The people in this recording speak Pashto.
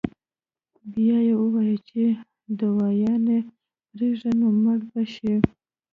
بيا وائي چې دوايانې پرېږدي نو مړه به شي -